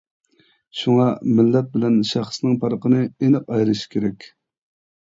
شۇڭا مىللەت بىلەن شەخسىنىڭ پەرقىنى ئېنىق ئايرىش كېرەك.